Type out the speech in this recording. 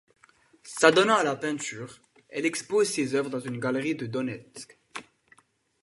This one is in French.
S'adonnant à la peinture, elle expose ses œuvres dans une galerie de Donetsk.